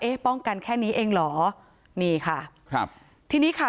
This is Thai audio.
ป้องกันแค่นี้เองเหรอนี่ค่ะครับทีนี้ค่ะ